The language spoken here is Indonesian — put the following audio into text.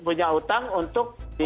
punya utang untuk